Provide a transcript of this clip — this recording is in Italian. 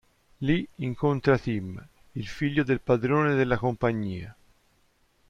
Lì, incontra Tim, il figlio del padrone della compagnia.